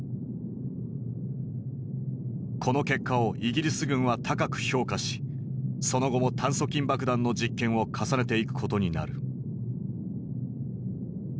この結果をイギリス軍は高く評価しその後も炭疽菌爆弾の実験を重ねていくことになる。